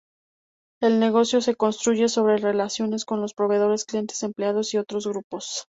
El negocio se construye sobre relaciones con los proveedores, clientes, empleados y otros grupos.